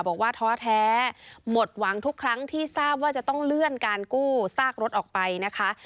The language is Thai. บอกว่าท้อแท้หมดหวังทุกครั้งที่ทราบว่าจะต้องเลื่อนการกู้ซากรถออกไปนะคะ